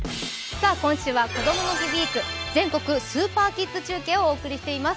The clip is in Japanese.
今週はこどもの日ウイーク全国スーパーキッズ中継をお送りしています。